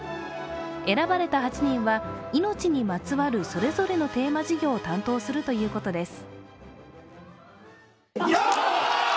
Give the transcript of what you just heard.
選ばれた８人は「いのち」にまつわるそれぞれのテーマ事業を担当するということです。